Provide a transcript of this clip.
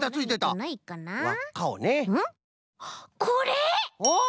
これ！